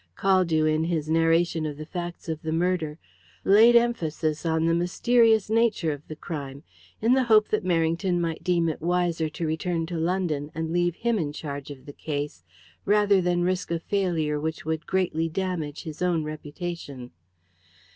Caldew, in his narration of the facts of the murder, laid emphasis on the mysterious nature of the crime, in the hope that Merrington might deem it wiser to return to London and leave him in charge of the case, rather than risk a failure which would greatly damage his own reputation.